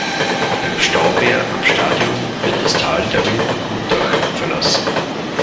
Beim Stauwehr am Stadion wird das Tal der Wilden Gutach verlassen.